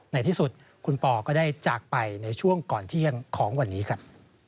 ในที่สุดคุณปอก็ได้จากไปในช่วงก่อนเที่ยงของวันนี้ครับ